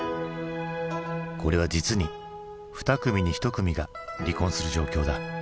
これは実に２組に１組が離婚する状況だ。